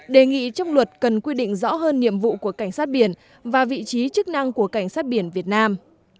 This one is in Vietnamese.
đề nghị trong luật cần quy định rõ hơn nhiệm vụ của cảnh sát biển và vị trí chức năng của cảnh sát biển việt nam